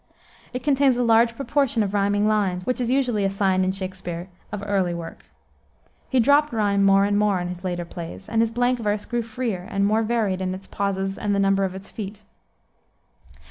It contains a large proportion of riming lines, which is usually a sign in Shakspere of early work. He dropped rime more and more in his later plays, and his blank verse grew freer and more varied in its pauses and the number of its feet.